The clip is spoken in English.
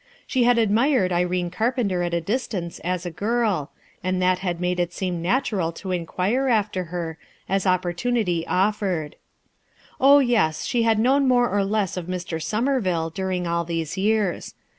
She had admired Irene Carpenter at a distance as a girl, and that had made it seem natural to in quire after her, as opportunity offered. Oh, yes, she had known more or less of Mr. Somerville during all these years.